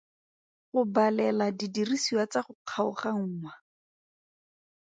Go balela didiriswa tsa go kgaoganngwa.